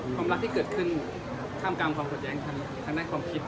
ความรักที่เกิดขึ้นข้ามกล้ำความขวดแย่งทั้งในความคิด